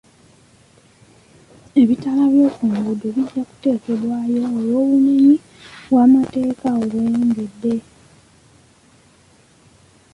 Ebitaala by'oku nguudo bijja kuteekebwayo olw'obumenyi bw'amateeka obweyongedde.